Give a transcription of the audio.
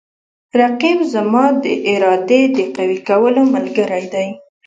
رقیب زما د ارادې د قوي کولو ملګری دی